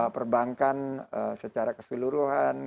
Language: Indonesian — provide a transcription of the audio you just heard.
perbankan secara keseluruhan